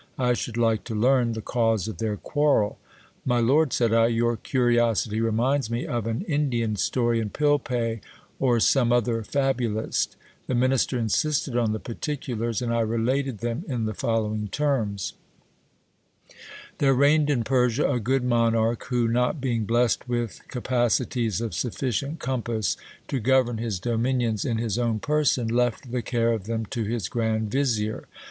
I should like to learn the cause of their quarrel. My lord, said I, your curiosity reminds me of an Indian story in Pilpay or some other fabulist The minister insisted on the particulars, and I related them in the following terms : There reigned in Persia a good monarch, who not being blessed with capaci ties of sufficient compass to govern his dominions in his own person, left the care of them to his grand vizier.